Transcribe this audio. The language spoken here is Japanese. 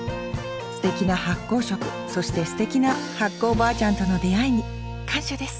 すてきな発酵食そしてすてきな発酵おばあちゃんとの出会いに感謝です